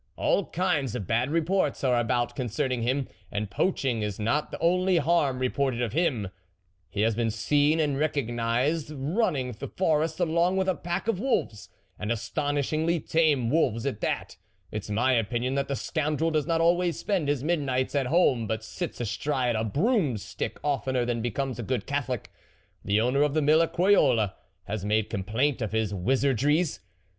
All kinds of bad reports are about concerning him, and poaching is not the only harm reported of him ; he has ,been seen and recognised running the forest along with a pack of wolves and astonishingly tame wolves at that. It's my opinion that the scoundrel does not always spend his midnights at home, but sits astride a broom stick oftener than becomes a good Catholic; the owner of the mill at Croyolles ha made complaint of his wizardries.